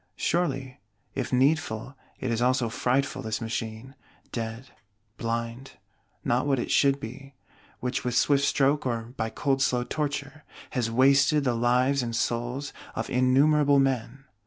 Surely, if needful, it is also frightful, this Machine; dead, blind; not what it should be; which, with swift stroke, or by cold slow torture, has wasted the lives and souls of innumerable men.